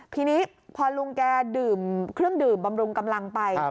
ทีนี้พอลุงแกดื่มเครื่องดื่มบำรุงกำลังไป